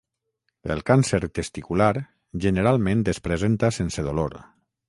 El càncer testicular generalment es presenta sense dolor.